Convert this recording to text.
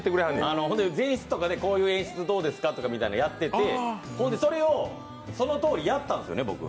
前室とかでこういう演出どうですかとかやっててほんで、それをそのとおりやったんですよね、僕。